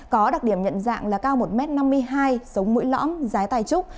có đặc điểm nhận dạng là cao một m năm mươi hai sống mũi lõm giái tai trúc